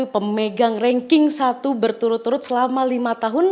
pemegang ranking satu berturut turut selama lima tahun